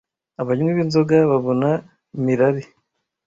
Abanywi b'inzoga babona mirari